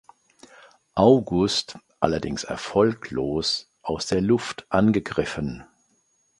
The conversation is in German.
August (allerdings erfolglos) aus der Luft angegriffen.